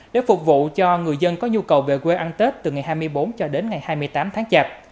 để phục vụ cho người dân có nhu cầu về quê ăn tết từ ngày hai mươi bốn cho đến ngày hai mươi tám tháng chạp